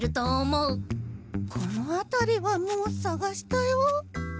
このあたりはもうさがしたよ。